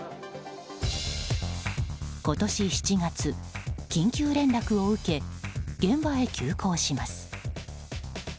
今年７月、緊急連絡を受け現場へ急行します。